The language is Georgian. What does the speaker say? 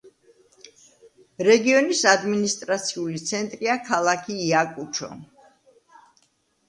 რეგიონის ადმინისტრაციული ცენტრია ქალაქი აიაკუჩო.